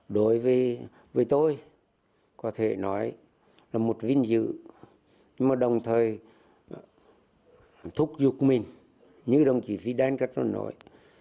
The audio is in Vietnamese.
đối với tôi có thể nói là một vinh dự nhưng mà đồng thời thúc giục mình như đồng chí fidel castro nói